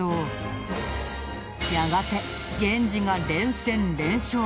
やがて源氏が連戦連勝！